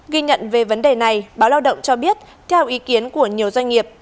ghi nhận về vấn đề này báo lao động cho biết theo ý kiến của nhiều doanh nghiệp